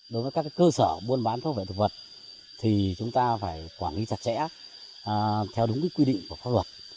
đối với các cơ sở buôn bán thuốc vệ thực vật thì chúng ta phải quản lý chặt chẽ theo đúng quy định của pháp luật